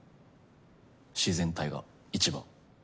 自然体が一番。